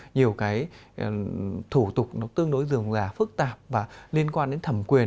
nhiều cái thủ tục nó tương đối dường là phức tạp và liên quan đến thẩm quyền